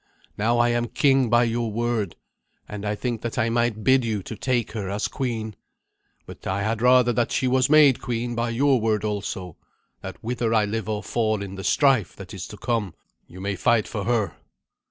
Now I am king by your word, and I think that I might bid you take her as queen. But I had rather that she was made queen by your word also, that whither I live or fall in the strife that is to come, you may fight for her."